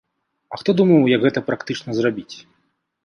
А хто думаў, як гэта практычна зрабіць?